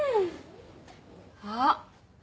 あっ！